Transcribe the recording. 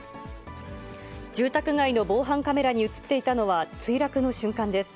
住宅街の防犯カメラに写っていたのは、墜落の瞬間です。